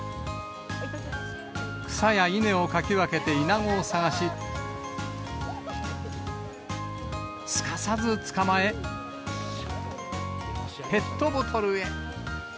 草や稲をかき分けていなごを探し、すかさず捕まえ、ペットボトルへ。